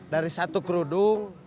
dari satu kerudung